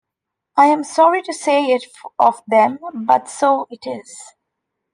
I am sorry to say it of them, but so it is.